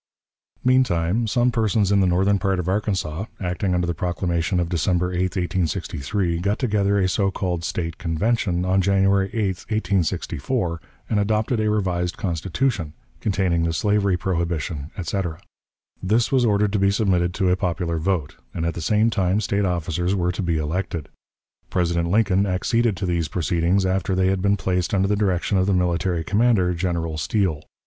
Meantime some persons in the northern part of Arkansas, acting under the proclamation of December 8, 1863, got together a so called State Convention on January 8, 1864, and adopted a revised Constitution, containing the slavery prohibition, etc. This was ordered to be submitted to a popular vote, and at the same time State officers were to be elected. President Lincoln acceded to these proceedings after they had been placed under the direction of the military commander, General Steele.